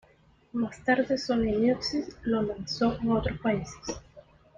Más tarde Sony Music lo lanzó en otros países.